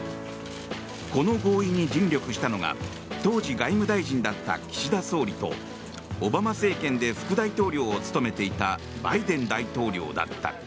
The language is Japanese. この合意に尽力したのが当時、外務大臣だった岸田総理とオバマ政権で副大統領を務めていたバイデン大統領だった。